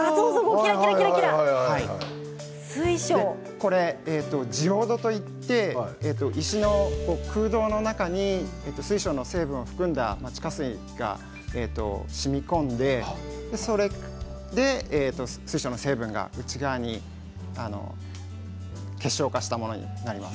これはジオードといって石の空洞の中に水晶の成分を含んだ地下水がしみこんでそれで水晶の成分が内側に結晶化したものになります。